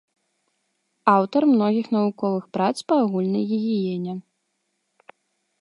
Аўтар многіх навуковых прац па агульнай гігіене.